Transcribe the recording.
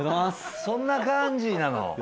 そんな感じなの？